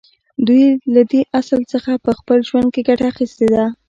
دوی له دې اصل څخه په خپل ژوند کې ګټه اخیستې ده